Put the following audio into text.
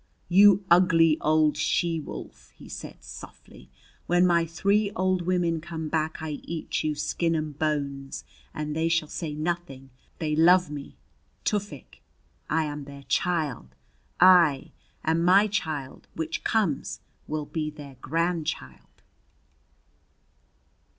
"You ugly old she wolf!" he said softly. "When my three old women come back I eat you, skin and bones, and they shall say nothing! They love me Tufik! I am their child. Aye! And my child which comes will be their grandchild!"